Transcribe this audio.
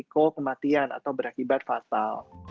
kematian atau berakibat fatal